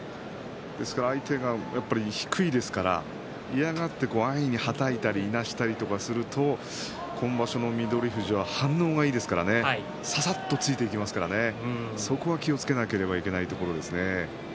相手が低いですから嫌がって回り込んではたいたり、いなしたりすると今場所の翠富士は反応がいいですからねささっとついていきますからそこを気をつけなければいけないところですね。